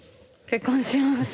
結婚します。